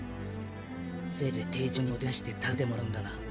せいぜい丁重にもてなして助けてもらうんだな。